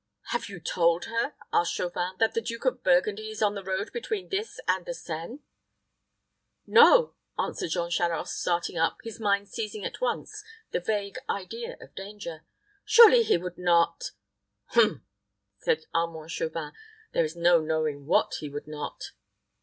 "Have you told her," asked Chauvin, "that the Duke of Burgundy is on the road between this and the Seine?" "No," answered Jean Charost, starting up, his mind seizing at once the vague idea of danger. "Surely he would not " "Humph!" said Armand Chauvin. "There is no knowing what he would not."